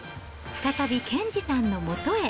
再び兼次さんのもとへ。